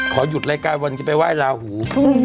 ขอหยุดรายการวันจะไปไหว้ลาหู